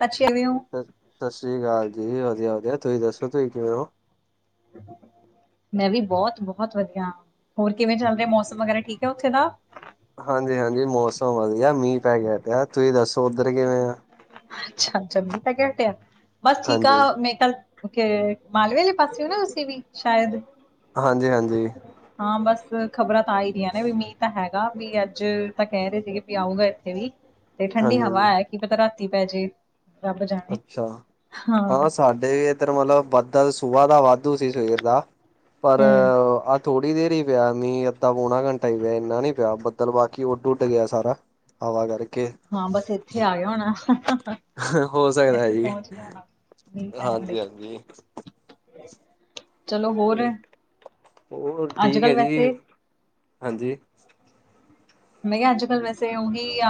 ਦਸਛੇਵੇਂ [unintelligible] ਸ ਸਤਿ ਸ੍ਰੀ ਅਕਾਲ ਜੀ ਵਧੀਆ, ਵਧੀਆ ਤੁਸੀਂ ਦੱਸੋ ਤੁਸੀਂ ਕਿਵੇਂ ਹੋ? ਹਮ। ਮੈਂ ਵੀ ਬਹੁਤ, ਬਹੁਤ ਵਧੀਆ ਹ। ਹੋਰ ਕਿਵੇਂ ਚੱਲ ਰਿਹਾ ਮੌਸਮ ਵਗੈਰਾ ਠੀਕ ਹੈ ਉੱਥੇ ਦਾ? ਹਾਂਜੀ -, ਹਾਂਜੀ ਮੌਸਮ ਵਧੀਆ ਮੀਂਹ ਪੈ ਪਿਆ ਤੁਸੀਂ ਦੱਸੋ ਉੱਧਰ ਕਿਵੇਂ ਆ? ਅੱਛਾ, ਅੱਛਾ ਤਾ ਹੱਟਿਆ ਬਸ ਠੀਕ ਆ ਹਾਂਜੀ ਮੈਂ ਕੱਲ। ਮਾਲਵੇ ਵਾਲੇਂ ਪਾਸੇ ਹੋ ਨਾ ਤੁੇ ਵੀ ਸ਼ਾਇਦ? ਹਾਂਜੀ, ਹਾਂਜੀ। ਹਾਂ ਬਸ, ਖ਼ਬਰਾਂ 'ਤਾਂ ਆ ਹੀ ਰਹੀਆਂ ਨੇ ਵੀ ਮੀਂਹ ਤਾਂ ਹੈਗਾ, ਵੀ ਅੱਜ ਤਾਂ ਕਹਿ ਰਹੇ ਸੀਗੇ ਵੀ ਆਊਗਾ ਇੱਥੇ ਵੀ। ਤੇ ਹਾਂਜੀ ਠੰਡੀ 'ਹਵਾ' ਹਾਂਜੀ ਹੈ, ਕੀ ਪਤਾ ਰਾਤੀ ਪੈ ਜੇ। ਰੱਬ ਜਾਣੇ ਅੱਛਾ। ਹਾਂ ਸਾਡੇ ਵੀ ਇਧਰ ਮਤਲਬ ਵੱਧ ਸੁਆਹ ਦਾ ਵਾਧੂ ਸੀ ਸਵੇਰ ਦਾ ਪਰ? ਹੂੰ ਥੋੜ੍ਹੀ ਦੇਰ ਹੀ ਪਿਆ, ਮੀ ਅੱਧਾ ਪੋਣਾ ਘੰਟਾ ਹੀ ਪਿਆ ਇੰਨਾ ਨੀ ਪਿਆ ਬੱਦਲ ਬਾਕੀ ਉੱਡ, ਉੱਡ ਗਿਆ ਸਾਰਾ। ਹਵਾ ਕਰਕੇ। ਹਾਂ ਬਸ ਇੱਥੇ ਆਏ ਹੋਣਾ। ਹੋ ਸਕਦਾ ਹੈ ਇੱਥੇ ਜੀ ਪਹੁੰਚ ਗਿਆ ਹੋਣਾ। ਮੀਂਹ ਪੈਣ ਲਈ ਹਾਂਜੀ, ਹਾਂਜੀ। ਚਲੋ ਹੋਰ ਹੋ ਅੱਜ ਠੀਕ ਹੈ ਕੱਲ ਜੀ ਵੈਸੇ ਹਾਂਜੀ। ਮੈਂ ਕਿਹਾ ਅੱਜ - ਕੱਲ੍ਹ ਵੈਸੇ ਉਹੀ ਆ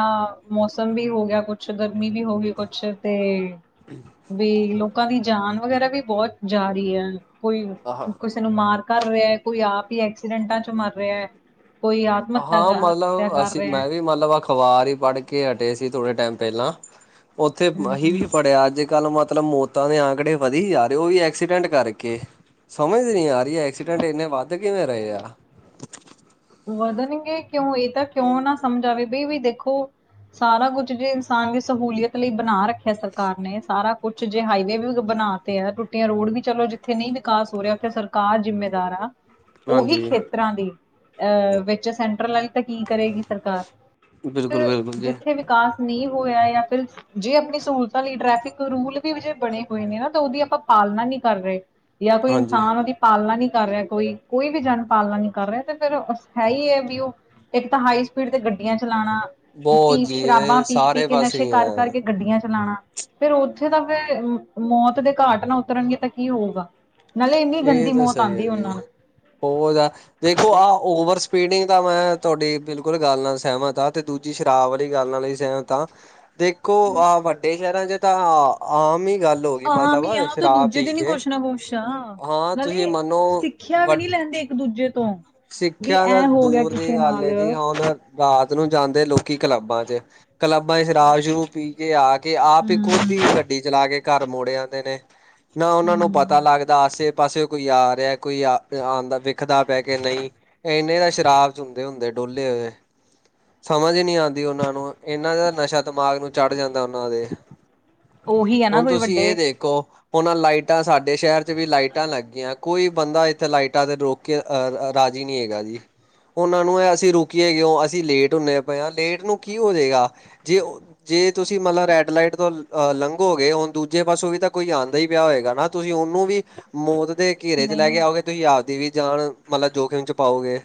ਮੌਸਮ ਵੀ ਹੋ ਗਿਆ, ਕੁਛ ਗਰਮੀ ਵੀ ਹੋ ਗਈ ਕੁਛ ਤੇ। ਹ। [unintelligible] ਵੀ ਲੋਕਾਂ ਦੀ 'ਜਾਨ' ਵਗੈਰਾ ਵੀ ਬਹੁਤ ਜਾ ਰਹੀ ਹੈ ਕੋਈ। ਆਹ ਕਿਸੇ ਨੂੰ ਮਾਰ ਕਰ ਰਿਹਾ, ਕੋਈ ਆਪ ਹੀ ਐਕਸੀਡੈਂਟਾਂ ਚ ਮਰ ਰਿਹਾ ਕੋਈ 'ਆਤਮ ਹੱਤਿਆ' ਹਾਂ ਕਰ। ਮਤਲਬ ਕਰ ਅਸੀਂ ਰਿਹਾ ਹੈ। ਮੈਂ ਵੀ ਮਤਲਬ ਅਖ਼ਬਾਰ ਹੀ ਪੜ੍ਹ ਕੇ ਹਟੇ ਸੀ, ਥੋੜੇ ਟਾਈਮ ਪਹਿਲਾਂ। ਉੱਥੇ ਅਸੀਂ ਹਮ ਵੀ ਪੜਿਆ ਅੱਜ। ਕੱਲ ਮਤਲਬ ਮੌਤਾਂ ਦੇ ਆਂਕੜੇ ਵਧੀ, ਜਾ ਰਹੇ ਉਹ ਵੀ 'ਐਕਸੀਡੈਂਟ' ਕਰਕੇ ਸਮਝ ਨਹੀਂ ਆ ਰਹੀ? ਅ 'ਐਕਸਸੀਡੈਂਟ' ਇਹਨੇ ਵਾਧੇਏਂ ਰਹੇ ਆ। ਵਧਣਗੇ ਕਿਉਂ, ਇਹ ਤਾਂ ਕਿਉਂ ਨਾ ਸਮਝ ਆਵੇ ਬਈ ਵੀ ਦੇਖੋ। ਸਾਰਾ ਕੁਛ ਜੇ ਇਨਸਾਨ ਦੀ ਸਹੂਲੀਅਤ ਲਈ ਬਣਾ ਰੱਖਿਆ ਸਰਕਾਰ ਨੇ, ਸਾਰਾ ਕੁਛ ਜੇ ਹਾਈਵੇ ਵੀ ਬਣਾ। ਤੇ ਆ ਟੁੱਟੀਆਂ ਰੋਡ ਵੀ, ਚਲੋ ਜਿੱਥੇ ਨਹੀਂ ਵਿਕਾਸ ਹੋ ਰਿਹਾ ਉੱਥੇ ਸਰਕਾਰ ਜਿੰਮੇਦਾਰ ਆ। ਉਹੀ ਹਾਂਜੀ ਖੇਤਰਾਂ ਦੀ, ਅਹ ਵਿੱਚ ਸੈਂਟਰਲਾਈਜ਼ ਤਾਂ ਕੀ ਕਰੇਗੀ ਸਰਕਾਰ। ਬਿਲਕੁਲ ਬਿਲਕੁਲ ਜੀ ਜਿੱਥੇ ਵਿਕਾਸ ਨਹੀਂ ਹੋਇਆ ਜਾਂ ਫਿਰ। ਜੇ ਆਪਣੀ ਸਹੂਲਤਾਂ ਲਈ, ਟ੍ਰੈਫਿਕ ਰੂਲ ਵੀ ਬਣੇ ਹੋਏ ਨੇ ਨਾ, ਤਾਂ ਉਹਦੀ ਆਪਾਂ ਪਾਲਣਾ ਨਹੀਂ ਕਰ ਰਹੇ। ਜਾਂ ਕੋਈ ਹਾਂਜੀ। ਇਨਸਾਨ ਉਹਦੀ ਪਾਲਣਾ ਨਹੀਂ ਕਰ ਰਿਹਾ ਕੋਈ, ਕੋਈ ਵੀ ਜਨਮ ਪਾਲਣਾ ਨਹੀਂ ਕਰ ਰਿਹਾ ਤੇ। ਫਿਰ ਹੈ ਹੀ ਹੈ ਵੀ ਉਹ, ਇੱਕ ਤਾਂ ਹਾਈ ਸਪੀਡ ਤੇ ਗੱਡੀਆਂ ਚਲਾਣਾ। ਬਹੁਤ ਪੀ, ਜੀ ਸ਼ਰਾਬਾਂ ਇਹ ਪੀ- ਪੀ ਸਾਰੇ ਕੇ ਪਾਸੇ ਨਸ਼ੇ ਹੀ ਕਰ ਹੈ। ਕਰਕੇ ਗੱਡੀਆਂ ਚਲਾਣਾ। ਫੇਰ ਉੱਥੇ ਤਾਂ ਫੇ, ਮੌਤ ਦੇ ਘਾਟ ਨਾ ਉਤਰਨਗੇ ਤਾਂ ਕੀ ਹੋਊਗਾ। ਨਾਲੇ ਇੰਨੀ ਇਹ ਗੰਦੀ ਤਾਂ ਮੌਤ ਸਹੀ ਹੈ ਆਉਂਦੀ ਜੀ, ਉਹਨਾਂ ਨੂੰ ਉਹ ਤਾਂ, ਦੇਖੋ ਆਹਨ੍ਹ। ਓਵਰ ਸਪੀਡਿੰਗ ਤਾਂ ਮੈਂ, ਤੁਹਾਡੀ ਬਿਲਕੁਲ ਗੱਲ ਨਾਲ ਸਹਿਮਤ ਹਾਂ ਤੇ ਦੂਜੀ ਸ਼ਰਾਬ ਵਾਲੀ ਗੱਲ ਨਾਲ ਹੀ ਸਹਿਮਤ। ਤਾਂ, ਦੇਖੋਹ ਵੱਡੇ ਸ਼ਹਿਰਾਂ 'ਚ ਤਾਂ ਆਮ ਹੀ ਗੱਲ। ਹੋ ਗਈ ਆਹਾਂ ਮ ਆ, ਮਤਲਬ ਤੇ ਸ਼ਰਾਬ ਦੂਜੇ ਪੀ ਦਿਨ ਹੀ ਕੇ ਕੁੁਛ ਨਾ ਕੁਸ਼। ਅ ਗੇ, ਹਾਂ ਤੁਸੀਂ ਨਾਲੇ ਮੰਨੋ ਸਿੱਖਿਆ ਵੀ ਵੱ ਨਹੀਂ ਲੈਂਦੇ ਇੱਕ -ਦੂਜੇ ਤੋਂ। ਵੀ ਸਿੱਖਿਆ ਤਾਂ ਐ ਹੋ ਗਿਆ ਦੂਰ ਦੀ ਕਿਸੇ ਗੱਲ ਨਾਲ ਹੈ ਜੀ, ਹੂੰ ਹੁਣ ਰਾਤ ਨੂੰ ਜਾਂਦੇ ਲੋਕੀ ਕਲੱਬਾਂ 'ਚ। ਕਲੱਬਾਂ 'ਚ ਸ਼ਰਾਬ- ਸਰਾਬ ਪੀ ਕੇ ਆ ਕੇ ਆਪ ਇੱਕੋ। ਖੁਦ ਹੀ ਗੱਡੀ ਚਲਾ ਕੇ ਘਰ ਮੁੜ ਆਉਂਦੇ ਨੇ, ਨਾ ਉਹਨਾ ਨੂੰ ਪਤਾ। ਪਤਾ ਹੂੰ ਲੱਗਦਾ ਆਸੇ ਪਾਸੇ ਕੋਈ ਆ ਰਿਹਾ, ਕੋਈ ਆ ਆਉਂਦਾ ਵੇਖਦਾ‌ ਕਿ ਨਹੀਂ, ਇਹਨੇ ਤਾਂ ਸ਼ਰਾਬ 'ਚ ਹੁੰਦੇ, ਹੁੰਦੇ ਡੋਲੇ ਹੋਏ। ਸਮਝ ਨਹੀਂ ਆਉਂਦੀ ਉਹਨਾਂ ਨੂੰ, ਇਹਨਾਂ ਦਾ ਨਸ਼ਾ ਦਿਮਾਗ ਨੂੰ ਚੜ ਜਾਂਦਾ ਉਹਨਾਂ ਦੇ। ਉਹੀ ਹੈ ਨਾ ਹੁਣ ਕੋਈ ਤੁਸੀਂ ਵੱਡੇ ਇਹ ਦੇਖੋ। ਉਹਨਾਂ ਲਾਈਟਾਂ ਸਾਡੇ ਸ਼ਹਿਰ 'ਚ ਵੀ ਲਾਈਟਾਂ ਲੱਗੀਆਂ, ਕੋਈ ਬੰਦਾ ਇੱਥੇ ਲਾਈਟਾਂ ਤੇ ਰੋਕ ਕੇ। ਅਹ ਰਾਜੀ ਨਹੀਂ ਹੈਗਾ ਜੀ। ਉਹਨਾਂ ਨੂੰ ਹੈ ਅਸੀਂ ਰੋਕੀਏ ਕਿਉਂ, ਅਸੀਂ ਲੇਟ ਹੁੰਦੇ ਪਏ ਹ ਲੇਟ ਨੂੰ ਕੀ ਹੋ ਜਾਏਗਾ, ਜੇ। ਜੇ ਤੁਸੀਂ ਮਤਲਬ ਰੈਡ ਲਾਈਟ ਤੋਂ ਲੰਘੋਗੇ, ਹੁਣ ਦੂਜੇ ਪਾਸੋਂ ਵੀ ਤਾਂ ਕੋਈ ਆਉਂਦਾ ਹੀ ਪਿਆ ਹੋਏਗਾ ਨਾ। ਤੁਸੀਂ ਉਹਨੂੰ ਵੀ ਮੌਤ ਦੇ। ਘੇਰੇ' ਚ ਲੈ ਕੇ ਨਹੀਂ ਆਓਗੇ, ਤੁਸੀਂ ਆਪਦੀ ਵੀ ਜਾਨ, ਮਤਲਬ ਜੋਖਿਮ 'ਚ ਪਾਓਗੇ।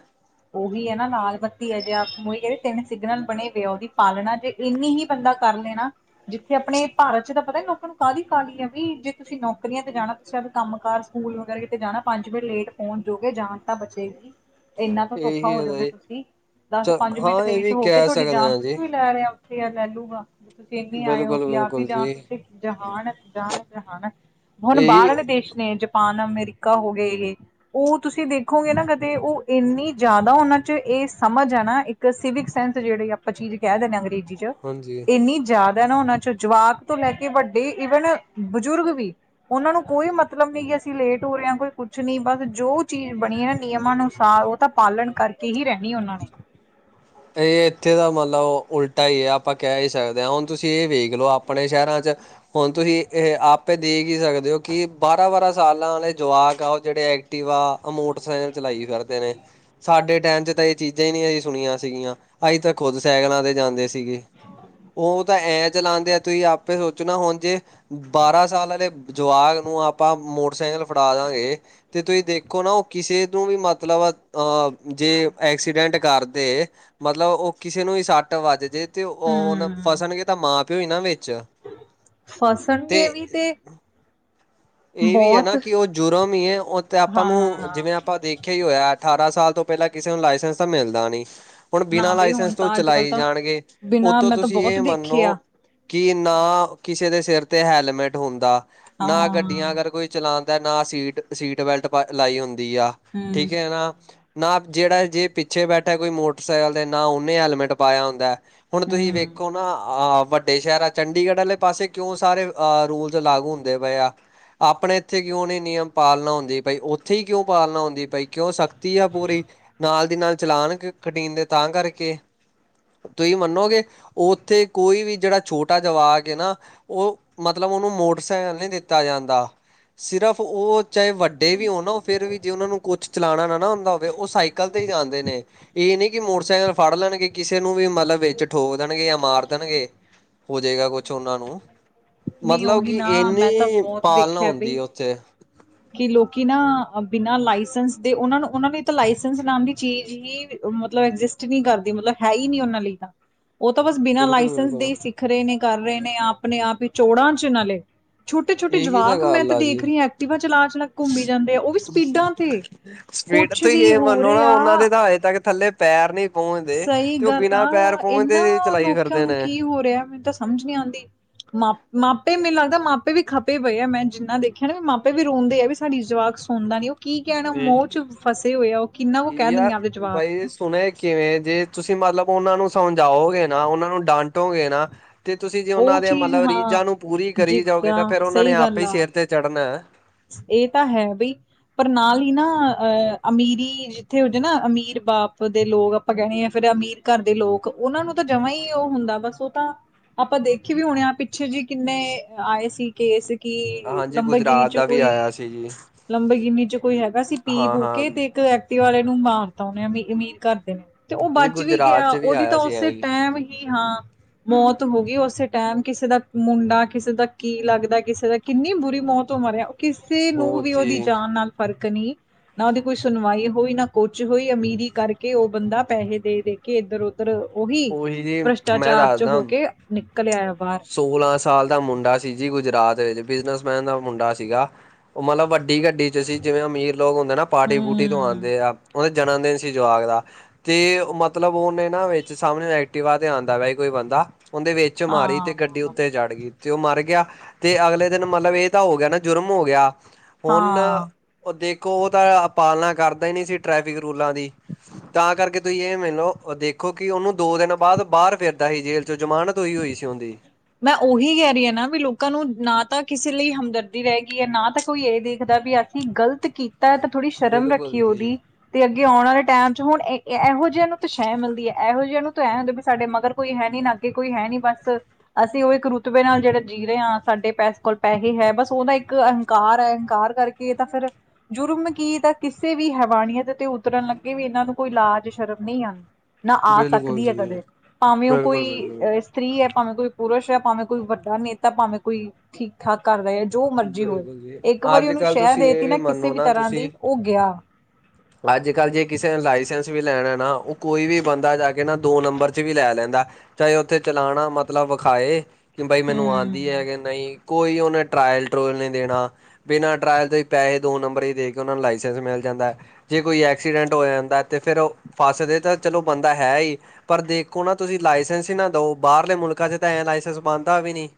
ਉਹੀ ਹੈ ਨਾ ਲਾਲ ਬੱਤੀ ਹੈ ਜੇ ਕਹਿੰਦੇ ਤਿੰਨ ਸਿਗਨਲ ਬਣੇ ਪਏ ਆ ਉਹਦੀ ਪਾਲਣਾ ਤੇੇ, ਇੰਨੀ ਹੀ ਬੰਦਾ ਕਰ ਲਏ ਨਾ, ਜਿੱਥੇ ਆਪਣੇ ਭਾਰਤ 'ਚ ਤਾਂ ਪਤਾ ਲੋਕਾਂ ਨੂੰ ਕਾਹਲੀ, ਕਾਹਲੀ ਆ ਵੀ ਜੇ ਤੁਸੀਂ ਨੌਕਰੀਆਂ ਤੇ ਜਾਣਾ, ਅੱਛਾ, ਕੰਮ ਕਾਰ ਸਕੂਲ ਵਗੈਰਾ ਕਿਤੇ ਜਾਣਾ, ਪੰਜ ਵਜੇ ਲੇਟ ਪਹੁੰਚ ਜੋਗੇ, ਜਾਨ ਤਾਂ ਬਚੇਗੀ, ਇਨਾ ਤੋਂ ਇਹੀ ਹੋ ਹੈਗਾ ਜਾਓਗੇ ਜੀ ਤੁਸੀਂ, ਦਸ ਚ ਪੰਜ ਮਿੰਟ ਹਾਂ ਇਹ ਲੇਟ ਵੀ ਹੋ ਕੇ ਕਹਿ ਤੁਹਾਡੀ ਸਕਦੇ ਜਾਨ ਹਾਂ ਜੀ ਥੋੜ੍ਹੀ ਲੈ ਰਿਹਾ, ਉੱਥੇ ਆ ਲੈ ਲੂਗਾ, ਤੁਸੀਂ ਇੰਨੀ ਆਏ ਹੋ ਬਿਲਕੁਲ ਕਿ ਆਪ ਹੀ ਬਿਲਕੁਲ ਜਾਂ ਜੀ ਤੁਸੀਂ, ਜਹਾਨ ਜਾਨ ਜਹਾਨ, ਹੁਣ ਬਾਹਰ ਇਹੀ ਵਾਲੇ ਦੇਸ਼ ਨੇ, ਜਪਾਨ ਅਮਰੀਕਾ ਹੋ ਗਏ ਇਹ, ਉਹ ਤੁਸੀਂ ਦੇਖੋਗੇ ਨਾ ਕਦੇ ਉਹ ਇੰਨੀ, ਜ਼ਿਆਦਾ ਉਹਨਾਂ 'ਚ ਇਹ ਸਮਝ ਆ ਨਾ, ਇੱਕ ਸਿਵਿਕ ਸੈਂਸ ਜਿਹੜੇ ਆਪਾਂ ਚੀਜ਼ ਕਹਿ ਦਿੰਦੇ ਹਾਂ ਅੰਗਰੇਜ਼ੀ 'ਚ, ਹਾਂਜੀ। ਇੰਨੀ ਜ਼ਿਆਦਾ ਨਾ ਉਹਨਾਂ 'ਚ, ਜਵਾਕ ਤੋਂ ਲੈ ਕੇ ਵੱਡੇ ਈਵਨ ਬਜ਼ੁਰਗ ਵੀ, ਉਹਨਾਂ ਨੂੰ ਕੋਈ ਮਤਲਬ ਨਹੀਂ ਕਿ ਅਸੀਂ ਲੇਟ ਹੋ ਰਹੇ ਹਾਂ ਕੋਈ ਕੁਛ ਨਹੀਂ, ਬਸ ਜੋ ਚੀਜ਼ ਬਣੀ ਹੈ ਨਾ ਨਿਯਮਾਂ ਅਨੁਸਾਰ ਉਹ ਤਾਂ, ਪਾਲਣ ਕਰਕੇ ਹੀ ਰਹਿਣੀ ਉਹਨਾਂ ਨੇ ਇਹ ਇੱਥੇ ਦਾ ਮਤਲਬ ਉਲਟਾ ਹੀ ਹੈ ਆਪਾਂ ਕਹਿ ਹੀ ਸਕਦੇ ਹਾਂ, ਹੁਣ ਤੁਸੀਂ ਇਹ ਵੇਖ ਲਓ ਆਪਣੇ ਸ਼ਹਿਰਾਂ 'ਚ ਹੁਣ ਤੁਸੀਂ ਇਹ ਆਪੇ ਦੇਖ ਹੀ ਸਕਦੇ ਹੋ ਕਿ, ਬਾਰਾਂ -ਬਾਰਾਂ ਸਾਲਾਂ ਵਾਲੇ ਜਵਾਕ ਓ ਜਿਹੜੇ ਟੀਵਾ ਮੋਟਰਸਾਈਕਲ ਚਲਾਈ ਫਿਰਦੇ ਨੇ, ਸਾਡੇ ਟਾਈਮ 'ਚ ਤਾਂ ਇਹ ਚੀਜ਼ਾਂ ਹੀ ਨੀ ਅ ਸੁਣੀਆਂ ਸੀਗੀਆਂ, ਅਸੀਂ ਤਾਂ ਖੁਦ ਸੈਕਲਾਂ ਤੇ ਜਾਂਦੇ ਸੀਗੇ ਉਹ ਤਾਂ ਐਂ ਚਲਾਉਂਦੇ ਆ ਤੁਸੀਂ ਆਪੇ ਸੋਚੋ ਹੁਣ ਜੇ ਬਾਰਾਂ ਸਾਲ ਵਾਲੇ ਜਵਾਕ ਨੂੰ ਆਪਾਂ ਮੋਟਰਸਾਈਕਲ ਫੜਾ ਦਾਂਗੇ ਤੇ ਤੁਸੀਂ ਦੇਖੋ ਨਾ, ਉਹ ਕਿਸੇ ਨੂੰ ਵੀ ਮਤਲਬ ਅਹ ਜੇ ਐਕਸੀਡੈਂਟ ਕਰਦੇ। ਮਤਲਬ ਉਹ ਕਿਸੇ ਨੂੰ ਹੀ ਸੱਟ ਵੱਜ ਜੇ, ਤੇ ਉਹ ਹਣ ਹਮ ਫਸਣਗੇ ਤਾਂ ਮਾਂ ਪਿਓ ਹੀ ਨਾ ਵਿੱਚ। ਫਸਣਗੇ ਵੀ ਤੇ, ਇਹ ਵੀ ਹੈ ਨਾ ਬਹੁਤ ਕਿ ਉਹ ਜੁਰਮ ਹੀ ਹੈ। ਉਹ ਤੇ ਆਪਾਂ ਨੂੰ ਹਾਂ ਜਿਵੇਂ ਆਪਾਂ ਦੇਖ, ਖੇ ਹੀ ਹੋਇਆ ਅਠਾਰਾਂ ਸਾਲ ਤੋਂ ਪਹਿਲਾਂ ਕਿਸੇ ਨੂੰ ਲਾਇਸੈਂਸ ਤਾਂ ਮਿਲਦਾ ਨੀ, ਹੁਣ ਨਾ ਬਿਨਾਂ ਬਈ ਲਾਇਸੈਂਸ ਹੁਣ ਤੋਂ ਤਾਂ ਅੱਜ ਕੱਲ ਚਲਾਈ ਤਾਂ ਜਾਣਗੇ, ਬਿਨਾਂ ਉੱਥੋਂ ਮੈਂ ਤਾਂ ਤੁਸੀਂ ਬਹੁਤ ਇਹ ਦੇਖੇ ਮੰਨੋ ਆ ਕਿ ਨਾ ਕਿਸੇ ਦੇ ਸਿਰ ਤੇ ਹੈਲਮੇਟ ਹੁੰਦਾ ਨਾ, ਗੱਡੀਆਂ ਹਾਂ ਕੋਈ ਚਲਾਉਂਦਾ, ਨਾ ਸੀਟ ਸੀਟ ਬੈਲਟ ਲਾਈ ਹੁੰਦੀ ਆ, ਹਮ ਠੀਕ ਹੈ ਨਾ ਨਾ ਜਿਹੜਾ ਜੇ ਪਿੱਛੇ ਬੈਠੇ ਕੋਈ ਮੋਟਰਸਾਈਕਲ ਤੇ ਨਾ ਉਹਨੇ ਹੈੇਲਮੇਟ ਪਾਇਆ ਹੁੰਦਾ ਹੈ। ਹੁਣ ਤੁਸੀਂ ਹਮ ਵੇਖੋ, ਨਾ ਅ ਵੱਡੇ ਸ਼ਹਿਰ ਆ ਚੰਡੀਗੜ੍ਹ ਵਾਲੇ ਪਾਸੇ ਕਿਉਂ ਸਾਰੇ ਅ ਰੂਲ ਲਾਗੂ ਹੁੰਦੇ ਪਏ ਆ, ਆਪਣੇ ਇੱਥੇ ਕਿਉਂ ਨਹੀਂ ਨਿਯਮ ਪਾਲਣਾ ਹੁੰਦੇ ਭਾਈ, ਉੱਥੇ ਹੀ ਕਿਉਂ ਪਾਲਣਾ ਹੁੰਦੀ ਪਾਈ, ਕਿਉਂ ਸਖਤੀ ਆ ਪੂਰੀ, ਨਾਲ ਦੀ ਨਾਲ ਚਲਾਉਣ ਕਟੀਨਦੇ ਤਾਂ ਕਰਕੇ। ਤੁਸੀਂ ਮੰਨੋਗੇ ਉੱਥੇ ਕੋਈ ਵੀ ਜਿਹੜਾ ਛੋਟਾ ਜਵਾਕ ਨਾ। ਉਹ ਮਤਲਬ ਉਹਨੂੰ ਮੋਟਰਸਾਈਕਲ ਨਹੀਂ ਦਿੱਤਾ ਜਾਂਦਾ। ਸਿਰਫ ਉਹ, ਚਾਹੇ ਵੱਡੇ ਵੀ ਹੋਣ ਨਾ ਉਹ ਫਿਰ ਵੀ ਜੇ ਉਹਨਾਂ ਨੂੰ ਕੁਛ ਚਲਾਉਣਾ ਨਾ ਨਾ ਹੁੰਦਾ ਹੋਵੇ, ਉਹ ਸਾਈਕਲ 'ਤੇ ਹੀ ਜਾਂਦੇ ਨੇ। ਇਹ ਨੀ ਕਿ ਮੋਟਰਸਾਈਕਲ ਫੜ ਲੈਣਗੇ, ਕਿਸੇ ਨੂੰ ਵੀ ਮਤਲਬ ਵਿੱਚ ਠੋਕ ਦੇਣਗੇ ਜਾਂ ਮਾਰ ਦੇਣਗੇ, ਹੋ ਜਾਏਗਾ ਕੁਛ ਉਹਨਾਂ ਨੂੰ ਨਹੀਂ ਮਤਲਬ ਉਹੀ ਕਿ ਨਾ ਮੈਂ ਤਾਂ ਇੰਨੀ ਬਹੁਤ ਪਾਲਣਾ ਦੇਖਿਆ ਹੁੰਦੀ ਬਈ ਹੈ ਉੱਥੇ, ਕਿ ਲੋਕੀ ਨਾ ਬਿਨਾ ਲਾਇਸੈਂਸ ਦੇ ਉਹਨਾ ਨੂੰ ਉਹਨਾ ਨੂੰ ਤਾਂ ਲਾਇਸੈਂਸ ਨਾਮ ਦੀ ਚੀਜ਼ ਹੀ, ਮਤਲਬ ਐਗਜਿਸਟ ਨਹੀਂ ਕਰਦੀ, ਮਤਲਬ ਹੈ ਹੀ ਨੀ ਉਹਨਾਂ ਲਈ ਤਾਂ। ਉਹ ਤਾਂ ਬਸ ਬਿਨਾਂ ਲਾਇਸੈਂਸ ਦੇ ਬਿਲਕੁਲ-ਬਿਲਕੁਲ ਹੀ ਸੀ। ਵਖ ਰਹੇ ਨੇ, ਕਰ ਰਹੇ ਨੇ, ਆਪਣੇ ਆਪ ਹੀ ਚੌੜਾਂ ਚ ਨਾਲੇ ਛੋਟੇ ਛੋਟੇ ਜਵਾਕ ਮੈਂ ਦੇਖ ਰਹੀ ਆ ਐਕਟਿਵਾ, ਚਲਾ ਚਲਾ ਘੁੰਮੀ ਜਾਂਦੇ ਆ ਉਹ ਵੀ ਸਪੀਡਾਂ ਤੇ ਸੀਟ ਕੁਛ ਤੋਂ ਹੀ ਵੀ ਇਹ ਹੋ ਮੰਨੋ ਨਾ ਉਹਨਾਂ ਰਿਹਾ ਦੇ, ਹਜੇ ਤੱਕ ਥੱਲੇ ਪੈਰ ਨਹੀਂ ਪਹੁੰਚਦੇ ਸਹੀ ਤੇ ਉਹ ਗੱਲ ਬਿਨਾਂ ਪੈਰ ਆ ਪਹੁੰਚਦੇ ਇਹਨਾਂ ਚਲਾਈ ਲੋਕਾਂ ਫਿਰਦੇ ਨੂੰ ਨੇ, ਕੀ ਹੋ ਰਿਹਾ ਮੈਨੂੰ ਦੱਸ। ਸਮਝ ਨਹੀਂ ਆਉਂਦੀ, ਮਾ ਮਾਪੇ ਮੈਨੂੰ ਲੱਗਦਾ, ਮਾਪੇ ਵੀ ਖਪੇ ਪਏ ਆ, ਮੈਂ ਜਿੰਨਾ ਦੇਖਿਆ ਨਾ ਵੀ ਮਾਪੇ ਵੀ ਰੋਂਦੇ ਆ ਵੀ ਸਾਡੀ ਜਵਾਕ, ਸੁਣਦਾ ਨੀ ਉਹ ਕੀ ਕਹਿਣ ਮੋਹ ਚ ਫਸੇ ਹੋਏ ਆ। ਉਹ ਕਿੰਨਾ ਵ ਕਹਿ ਯਾਰ ਦਿੰਣਗੇ ਆਪਦੇ ਜਵਾਬ ਬਾਈ ਨੂੰ। ਸੁਣੇ ਕਿਵੇਂ ਜੇ ਤੁਸੀਂ ਮਤਲਬ ਉਹਨਾਂ ਨੂੰ ਸਮਝਾਓਗੇ ਨਾ ਉਹਨਾਂ ਨੂੰ ਡਾਂਟੋਗੇ ਨਾ, ਤੇ ਤੁਸੀਂ ਜੇ ਉਹ ਉਹਨਾਂ ਦੇ ਚੀਜ਼ ਮਤਲਬ ਹਾਂ ਰੀਝਾਂ ਨੂੰ ਪੂਰੀ ਕਰੀ ਜਾਓਗੇ ਤਾਂ ਜਿੱਦਾਂ ਫੇਰ ਉਹਨਾਂ ਨੇ ਸਹੀ ਆਪੇ ਗੱਲ ਹੀ ਆ ਸਿਰ ਤੇ ਚੜ੍ਹਨਾ, ਇਹ ਤਾਂ ਹੈ ਬਈ, ਪਰ ਨਾਲ ਹੀ ਨਾ ਅਹ ਅਮੀਰੀ ਜਿੱਥੇ ਹੋ ਜਾ ਨਾ ਅਮੀਰ ਬਾਪ ਦੇ ਲੋਕ ਆਪਾਂ ਕਹਿਣੇ ਆ, ਫਿਰ ਅਮੀਰ ਘਰ ਦੇ ਲੋਕ, ਉਹਨਾਂ ਨੂੰ ਤਾਂ ਜਮਾਂ ਹੀ ਉਹ ਹੁੰਦਾ ਬਸ ਤੂੰ ਤਾ ਆਪਾ ਦੇਖੀ ਵੀ ਹੋਨੇ ਆ, ਪਿੱਛੇ ਜੀ ਕਿੰਨੇ ਆਏ ਸੀ। ਕੇਸ ਕੀ ਹਾਂਜੀ ਨੰਬਰਗਿਰੀ ਗੁਜਰਾਤ ਚੂ ਦਾ ਵੀ ਕੋਈ ਆਇਆ ਸੀ ਜੀ ਲੰਬਰ ਗਿਨੀ ਚੂ ਕੋਈ ਹੈਗਾ ਸੀ, ਪੀ-ਪੂ ਹਾਂ-ਹਾਂ। ਕੇ ਤੇ ਇੱਕ ਐਕਟੀਵਾ ਆਲੇ ਨੂੰ ਮਾਰਤਾ, ਓਨੇ ਅਮੀਰ ਘੱਰ ਦੇ ਨੇ ਤੇ ਓ ਬੱਚ ਵੀ ਗੁਜਰਾਤ ਗਯਾ, ਚ ਵੀ ਓਦੀ ਤਾ ਆਇਆ ਸੀ ਐ ਓੱਸੇ ਹੀ ਟਾਈਮ ਈ, ਹਾਂ। ਮੌਤ ਹੋਗੀ ਓਸੇ ਟਾਈਮ, ਕਿਸੇ ਦਾ ਮੁੰਡਾ, ਕਿਸੇ ਦਾ ਕੀ ਲੱਗਦਾ ਕਿਸੇ ਦਾ, ਕਿੰਨੀ ਬੁਰੀ ਮੌਤ ਓ ਮਰਯਾ। ਕਿੱਸੇ ਨੂੰ ਉਹ ਵੀ ਓਦੀ ਜੀ ਜਾਨ ਨਾਲ ਫ਼ਰਕ ਨੀ। ਨਾ ਓਦੀ ਕੋਈ ਸੁਨਵਾਈ ਹੋਈ, ਨਾ ਕੁਛ ਹੋਈ, ਅਮੀਰੀ ਕਾਰਕੇ ਓ ਬੰਦਾ ਪੈਹੇ ਦੇ ਦੇ ਕੇ ਕੇ ਐਧਰ-ਉਧਰ ਓਵੀ ਉਹੀ ਜੀ ਮੈਂ ਭ੍ਰਸ਼ਟਾਚਾਰ ਚ ਹੋਕੇ ਨਿਕਲਯੈ ਬਾਰ। ਸੋਲਾ ਸਾਲ ਦਾ ਮੁੰਡਾ ਸੀ ਜੀ, ਗੁਜਰਾਤ ਵਿੱਚ ਬਿਜਨਸ ਮੈਨ ਦਾ ਮੁੰਡਾ ਸੀਗਾ। ਓ ਮਲਬ ਵੱਡੀ ਗੱਡੀ ਚ ਸੀ, ਜਿਵੇਂ ਅਮੀਰ ਲੋਕ ਹੁੰਦੇ ਨਾ ਪਾਰਟੀ, ਪੂਟੀ ਤੋ ਹਮ ਆਂਦੇ ਆ। ਓਦੇ ਜਨਮ ਦਿਨ ਸੀ ਜਵਾਕ ਦਾ ਤੇ ਮਤਲਬ ਓਨੇ ਨਾ ਵੇੱਚ ਸਾਮਨੇ ਐਕਟਿਵਾ ਤੇ ਆਂਦਾ ਵਯਾ ਸੀ ਕੋਈ ਬੰਦਾ, ਓਂਦੇ ਵੇਚ ਮਾਰੀ ਤੇ ਗੱਡੀ ਹਾਂ ਉੱਤੇ ਚੜ ਗਈ, ਤੇ ਉਹ ਮਰ ਗਿਆ, ਤੇ ਅਗਲੇ ਦਿਨ ਮਤਲਬ ਇਹ ਤਾ ਹੋ ਗਿਆ ਜੁਰਮ ਹੋ ਗਿਆ। ਹੁਣ ਹਾਂ ਉਹ ਦੇਖੋ, ਉਹ ਤਾ ਪਾਲਨਾ ਕਰਦਾ ਈ ਨੀ ਸੀ ਟ੍ਰੈਫਿਕ ਰੂਲਾਂ ਦੀ ਤਾਂ ਕਰਕੇ ਤੁਹੀ ਏ ਮੇਲੋ, ਦੇਖੋ ਕਿ ਓਹਨੂੰ ਦੋ ਦਿਨ ਬਾਦ ਬਾਰ ਫਿਰਦਾ ਸੀ, ਜੇਲ ਜੋ ਜ਼ਮਾਨਤ ਹੋਈ, ਹੋਈ ਸੀ ਓਂਹਦੀ ਮੈਂ ਓਹੀ ਕਹਿ ਰਹੀ ਆ ਨਾ ਵੀ ਲੋਕਾਂ ਨੂੰ ਨਾ ਤਾ ਕਿਸੇ ਲਈ ਹਮਦਰਦੀ ਰਹਿ ਗਈ ਏ, ਨਾ ਤਾ ਕੋਈ ਏ ਦੇਖਦਾ ਵੀ ਕੀ ਗਲਤ ਕੀਤਾ ਆ ਤਾਂ। ਥੋੜੀ ਸ਼ਰਮ ਰੱਖੀਏ ਬਿਲਕੁਲ ਜੀ ਓਦੀ, ਤੇ ਅੱਗੇ ਆਉਣ ਵਾਲੇ ਟਾਈਮ ਚ ਹੁਨ ਐਹੋ ਜਿਹਾਂ ਨੂੰ ਤੇ ਸ਼ੈਅ ਮਿਲਦੀ ਐ, ਐਹੋ ਜਿਹਾਂ ਨੂੰ ਤਾ ਐਂ ਹੁੰਦੇ ਵੀ ਸਾਡੇ ਮਗਰ ਕੋਈ ਹੈ ਨੀ, ਨਾ ਅੱਗੇ ਕੋਈ ਹੈ ਨੀ ਬੱਸ ਅਸੀ ਉਹ ਇੱਕ ਰੁਤਬੇ ਨਾਲ ਜਿਹੜਾ ਜੀ ਰਹੇ ਆਂ, ਸਾਡੇ ਪੈਸ ਕੋਲ ਪੈਹੇ ਹੈ, ਬੱਸ ਓਦਾ ਇੱਕ ਅਹੰਕਾਰ ਹੈ, ਅੰਹਕਾਰ ਕਰਕੇ ਕੇ ਤਾ ਫੇਰ ਜੁਰਮ ਕੀ, ਤਾ ਕਿਸੇ ਵੀ ਹੈਵਾਨੀਅਤ ਤੇ ਉਤਰਨ ਲੱਗੇ ਵੀ ਇਨਾਂ ਨੂੰ ਕੋਈ ਲਾਜ ਸ਼ਰਮ ਨੀ ਆਂਦੀ। ਨਾ ਆ ਬਿਲਕੁਲ ਸਕਦੀ ਐ ਜੀ ਕਦੇ, ਭਾਵੇਂ ਉਹ ਕੋਈ ਬਿਲਕੁਲ ਬਿਲਕੁਲ ਅ ਇਸਤਰੀ ਐ, ਭਾਵੇਂ ਕੋਈ ਪੁਰਸ਼ ਐ, ਭਾਵੇਂ ਕੋਈ ਵੱਡਾ ਨੇਤਾ, ਭਾਵੇਂ ਕੋਈ ਠੀਕ ਠਾਕ ਕਾਰਦੈ ਆ, ਜੋ ਮਰਜ਼ੀ ਹੋਏ ਬਿਲਕੁਲ ਜੀ ਇੱਕ ਵਾਰੀ ਅੱਜ ਓਹਨੂੰ ਕੱਲ ਸ਼ੈਅ ਤੁਸੀਂ ਇਹ ਦੇਤੀ ਨਾ ਕਿਸੇ ਵੀ ਤਰਾ ਦੀ, ਉਹ ਗਿਆ। ਅੱਜ-ਕੱਲ ਜੇ ਕਿਸੇ ਨੇ ਲਾਇਸੈਂਸ ਵੀ ਲੈਣੇ ਨਾ, ਉਹ ਕੋਈ ਵੀ ਬੰਦਾ ਜਾਕੇ ਦੋ ਨੰਬਰ ਚ ਵੀ ਲੈ ਲੈਂਦੈ, ਚਾਏ ਓਥੇ ਚਲਾਨਾ, ਮਤਲਬ ਵਖਾਏ ਕਿ ਬਈ ਮੈਨੂੰ ਆਂਦੀ ਹੂੰ। ਐ ਕਿ ਨਈ, ਕੋਈ ਓਹਨੇ ਟਰਾਇ ਲ ਟਰੂਇਲ ਨੀ ਦੇਣਾ। ਬਿਨਾਂ ਟਰਾਇਲ ਤੋ ਈ ਪੈਹੇ ਦੋ ਨੰਬਰੀ ਦੇਕੇ, ਓਹਨਾਂ ਨੂੰ ਲਾਇਸੈਂਸ ਮਿਲ ਜਾਂਦੈ। ਜੇ ਕੋਈ ਐਕਸੀਡੈਂਟ ਹੋ ਜਾਂਦਾ ਤੇ ਫੇਰ ਉਹ ਫਸਦੇ ਤਾ, ਚਲੋ ਬੰਦਾ ਹੈ ਈ। ਪਰ ਦੇਖੋ ਨਾ ਤੁਸੀ ਲਾਇਸੈਂਸ ਈ ਨਾ ਦੋ, ਬਾਹਰਲੇ ਮੁਲਕਾਂ ਚ ਤਾਂ ਐਂ ਲਾਇਸੈਂਸ ਬੰਨਦਾ ਵੀ ਨਹੀ।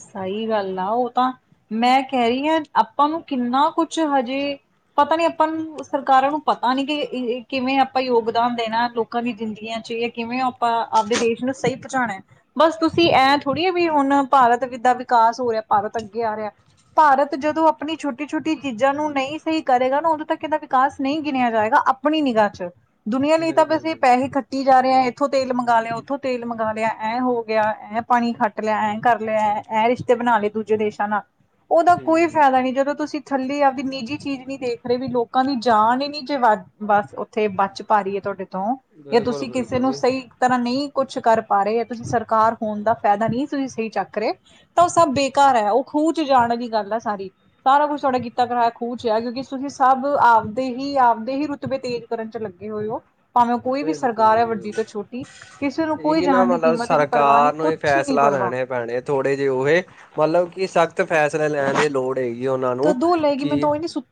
ਸਈ ਗੱਲ ਆ ਉਹ ਤਾ, ਮੈਂ ਕੈ ਰਹੀ ਆਂ ਆਪਾਂ ਨੂੰ ਕਿੰਨਾ ਕੁੱਛ ਹਜੇ ਪਤਾ ਨੀ ਆਪਾਂ ਨੂੰ ਸਰਕਾਰਾਂ ਨੂੰ ਪਤਾ ਨੀ ਕਿ ਕਿਵੇਂ ਆਪਾਂ ਯੋਗਦਾਨ ਦੇਣਾ, ਲੋਕ ਲੋਕਾਂ ਦੀ ਜ਼ਿੰਦਗੀਆਂ ਚ ਇਹ ਹੈ ਕਿਵੇਂ ਆਪਾਂ ਆਪਦੇ ਦੇਸ਼ ਨੂੰ ਸਈ ਪਚਾਣੈ। ਬੱਸ ਤੁਸੀ ਐ ਬਿਲਕੁਲ ਥੋੜੀ ਏ ਵੀ ਹੁਨ ਭਾਰਤ ਦਾ ਵਿਕਾਸ ਹੋ ਰਿਆ, ਭਾਰਤ ਅੱਗੇ ਆ ਰਿਆ। ਭਾਰਤ ਜਦੋ ਆਪਨੀ ਛੋਟੀ, ਛੋਟੀ ਚੀਜ਼ਾਂ ਨੂੰ ਨਈ ਸਹੀ ਕਰੇਗਾ ਨਾ ਉਦੋਂ ਤੱਕ ਏਦਾ ਵਿਕਾਸ ਨਈ ਗਿਣਿਆ ਜਾਏਗਾ। ਅਪਨੀ ਨਿਗਾਹ ਚ, ਦੁਨੀਆਂ ਲਈ ਤਾਂ ਬੱਸ ਬਿਲਕੁਲ ਪੈਹੇ ਖਰ ਖੱਟੀ ਜਾ ਰਿਆ, ਐਥੋ ਤੇਲ ਮੰਗਾ ਲਿਆ, ਉਥੋ ਤੇਲ ਮੰਗਾ ਲਿਆ, ਐਂ ਹੋਗਿਆ, ਐਂਥੋਂ ਪਾਣੀ ਖੱਟ ਲਿਆ, ਐਂ ਕਰ ਲਿਆ, ਐ ਰਿਸ਼ਤੇ ਬਨਾ ਲਏ ਦੂਜੇ ਦੇਸ਼ਾਂ ਨਾਲ, ਓਹਦਾ ਕੋਈ ਹਮ ਫੈਦਾ ਨੀ, ਜਦੋ ਤੁਸੀ ਥੱਲੇ ਆਵਦੀ ਨਿੱਜੀ ਚੀਜ਼ ਨੀ ਦੇਖ ਰਹੇ ਵੀ ਲੋਕਾਂ ਦੀ ਜਾਨ ਈ ਨੀ ਜੇ, ਵੱ ਵੱਸ ਉਥੇ ਬੱਚ ਪਾ ਰਹੀ ਐ ਤੁਆਡੇ ਤੋਂ, ਯਾ ਬਿਲਕੁਲ ਤੁਸੀ ਕਿਸੇ ਬਿਲਕੁਲ ਨੂੰ ਜੀ ਸਈ ਤਰਾਂ ਨੀ ਕੁੱਛ ਕਰ ਪਾ ਰੇ, ਤੁਸੀ ਸਰਕਾਰ ਹੋਨ ਦਾ ਫਾਯਦਾ ਨੀ ਤੁਸੀ ਸਈ ਚੱਕ ਰਹੇ ਤਾਂ ਉਹ ਸਬ ਬੇਕਾਰ ਐ, ਉਹ ਖੂਹ ਚ ਜਾਨ ਆਲੀ ਗੱਲ ਆ ਸਾਰੀ ਸਾਰਾ ਕੁਛ ਤੁਹਾਡਾ ਕੀਤਾ ਕਰਾਇਆ ਖੂਹ ਵਿੱਚ ਐ ਕਿਉਕਿ ਤੁਸੀ ਸਬ ਆਵਦੇ ਹੀ ਆਵਦੇ ਹੀ ਰੁਤਬੇ ਤੇਜ਼ ਕਰਨ ਚ ਲੱਗੇ ਹੋਏ ਓ। ਭਾਵੇਂ ਕੋਈ ਵੀ ਬਿਲਕੁਲ ਸਰਕਾਰ ਐ ਵੱਡੀ ਬਿਲਕੁਲ ਤੋ ਛੋਟੀ, ਕਿਸੇ ਨੂੰ ਕੋਈ ਇਹੀ ਨਾ ਜਾਨ ਦੀ ਮਤਲਬ ਕੀਮਤ ਨੀ ਪਰਵਾ ਨੀ ਸਰਕਾਰ ਨੂੰ ਹੀ ਫੈਸਲਾ ਪਰਵਾਹ ਲੈਣੇ ਪੈਣੇ ਥੋੜੇ ਜੇ ਉ ਏ, ਮਤਲਬ ਕਿ ਸਖ਼ਤ ਫੈਸਲੇ ਲੈਨ ਦੀ ਲੋੜ ਹੈਗੀ। ਕਿ ਓਹਨਾਂ ਨੂੰ ਕਿ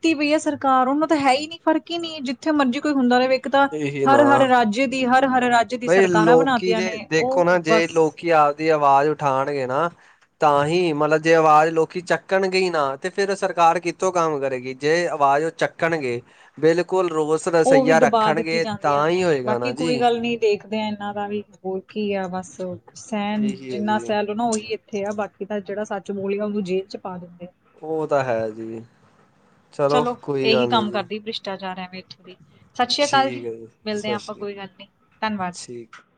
ਕਿ ਵੀ ਇਹ ਸਰਕਾਰ ਉਹਨੂੰ ਤਾਂ ਹੈ ਹੀ ਨਹੀਂ ਫਰਕ ਹੀ ਨਹੀਂ ਜਿੱਥੇ ਮਰਜ਼ੀ ਕੋਈ ਹੁੰਦਾ ਰਹੇ ਇੱਕ ਤਾਂ ਇਹੀ ਹਰ ਨਾ ਹਰ ਰਾਜ ਦੀ ਹਰ ਹਰ ਰਾ ਬਈ ਲੋਕੀ ਜੇ ਦੇਖੋ ਨਾ ਜੇ ਬਸ ਲੋਕੀ ਆਪਦੀ ਆਵਾਜ਼ ਉਠਾਣਗੇ ਨਾ। ਤਾਂ ਹੀ ਮਤਲਬ ਜੇ ਆਵਾਜ਼ ਲੋਕੀ ਚੱਕਣਗੇ ਹੀ ਨਾ ਤੇ ਫਿਰ ਸਰਕਾਰ ਕਿੱਥੋਂ ਕੰਮ ਕਰੇਗੀ। ਜੇ ਆਵਾਜ਼ ਚੱਕਣਗੇ ਬਿਲਕੁਲ ਰੋਸ ਉਹ ਵੀ ਰਸਈਆ ਦਬਾ ਦਿੱਤੀ ਰੱਖਣਗੇ ਜਾਂਦੀਆਂ ਤਾਂ ਨੇ ਹੀ ਹੋਏਗਾ ਬਾਕੀ ਨਾ ਕੋਈ ਜੀ। ਗੱਲ ਨੀ ਦੇਖਦੇ ਆ ਇਹਨਾਂ ਦਾ ਵੀ ਹੋਰ ਕੀ ਆ ਬਸ ਸੈਨ ਇਹੀ ਹੈ ਜਿੰਨਾ ਜੀ ਸੈ ਲਓ ਉਹਨਾਂ ਉਹੀ ਆ ਇਹ ਆ ਬਾਕੀ ਦਾ ਜਿਹੜਾ ਸੱਚ ਬੋਲਗਾ ਉਹਨੂੰ ਜੇਲ੍ਹ ਚ ਪਾ ਦਿੰਦੇ। ਉਹ ਤਾਂ ਹੈ ਜੀ ਚਲੋ ਕੋਈ ਗੱਲ ਨਹੀਂ ਜੀ। [unintelligible] ਸਸ਼੍ਰੀ ਅਕਾਲ ਠੀਕ ਜੀ, ਹੈ ਮਿਲਦੇ ਆ ਸਤਿ ਆਪਾਂ ਸ਼੍ਰੀ ਅਕਾਲ ਕੋਈ ਗੱਲ ਨੀ, ਧਨਵਾਦ। ਠੀਕ